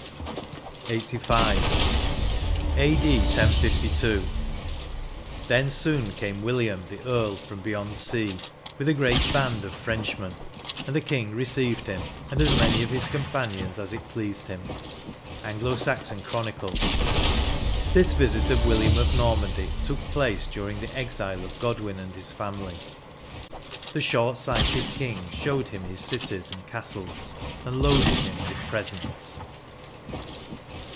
170 LXXXV. " A.D. 1062. Then soon came William, the Earl, from heyond sea, with a great hand of Frenchmen; and the King received him, and as many of his companions as it pleased him." — An^lo Saxon Chronicle, This visit of William of Normandy took place daring the exile of Godwin and his family; the short sighted King showed him his cities and castles, and loaded him with presents.